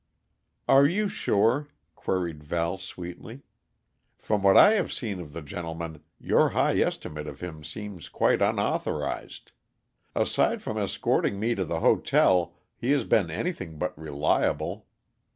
"Are you sure?" queried Val sweetly. "From what I have seen of the gentleman, your high estimate of him seems quite unauthorized. Aside from escorting me to the hotel, he has been anything but reliable.